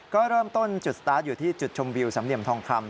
ก็เริ่มต้นจุดสตาร์ทอยู่ที่จุดชมวิวสำเนียมทองคำ